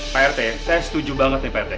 pak rete saya setuju banget nih pak rete